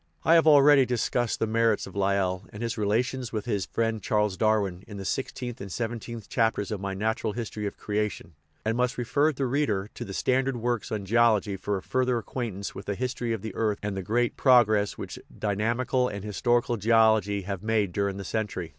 I have already dis cussed the merits of Lyell, and his relations with his friend Charles Darwin, in the sixteenth and seventeenth chapters of my Natural History of Creation, and must refer the reader to the standard works on geology for a further acquaintance with the history of the earth and the great progress which dynamical and historical geology have made during the century.